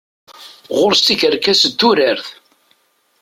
Ɣur-s tikerkas d turart.